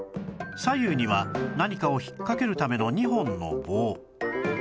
左右には何かを引っかけるための２本の棒